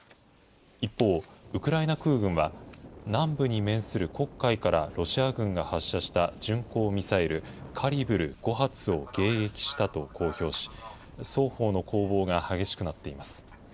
一方、ウクライナ空軍は南部に面する黒海からロシア軍が発射した巡航ミサイル、カリブル５発を迎撃したと公表し、双方の攻防が激しくなっています。